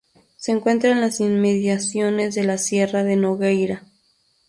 Se encuentra en las inmediaciones de la Sierra de Nogueira.